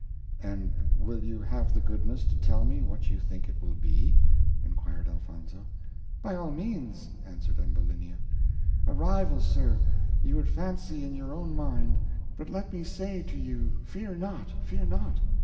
"And will you have the goodness to tell me what you think it will be?" inquired Elfonzo. "By all means," answered Ambulinia; "a rival, sir, you would fancy in your own mind; but let me say for you, fear not! fear not!